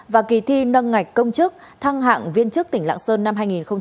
và kỳ thi nâng ngạch công chức thăng hạng viên chức tỉnh lạng sơn năm hai nghìn hai mươi